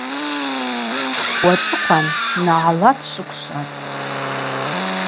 Уацӏыхъван – Нагӏлат швыквшватӏ.